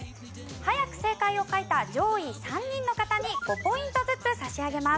早く正解を書いた上位３人の方に５ポイントずつ差し上げます。